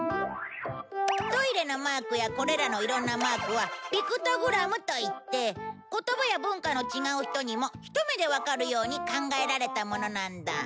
トイレのマークやこれらのいろんなマークは「ピクトグラム」といって言葉や文化の違う人にもひと目でわかるように考えられたものなんだ。